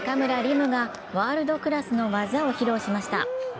夢がワールドクラスの技を披露しました。